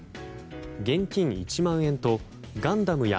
現金１万円と「ガンダム」や